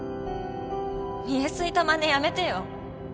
見え透いたまねやめてよ。